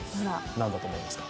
なんだと思いますか？